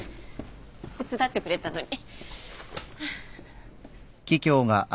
手伝ってくれたのに。